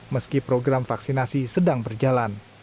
meski program vaksinasi sedang berjalan